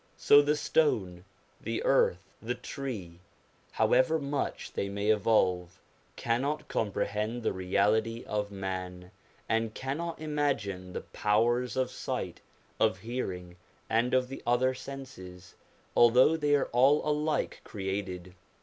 So the stone, the earth, the tree, however much they may evolve, cannot comprehend the reality of man, and cannot imagine the powers of sight, of hearing, and of the other senses, although they are all alike created.